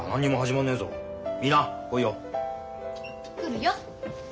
来るよ。